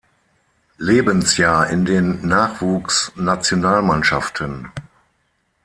Lebensjahr in den Nachwuchsnationalmannschaften.